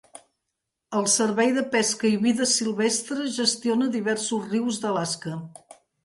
El Servei de pesca i vida silvestre gestiona diversos rius d'Alaska.